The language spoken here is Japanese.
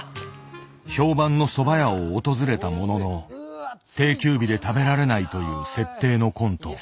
評判のそば屋を訪れたものの定休日で食べられないという設定のコント。